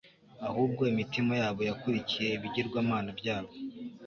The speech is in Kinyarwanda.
ahubwo imitima yabo yakurikiye ibigirwamana byabo